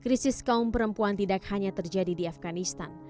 krisis kaum perempuan tidak hanya terjadi di afganistan